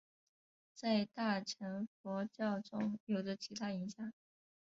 在大乘佛教中有着极大影响。